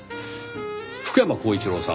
福山光一郎さん